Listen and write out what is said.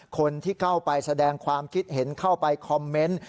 คนที่เข้าไปแสดงความคิดเห็นเข้าไปคอมเมนต์